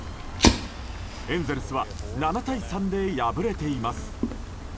エンゼルスは７対３で敗れています。